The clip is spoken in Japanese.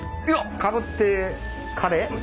かぶってカレー。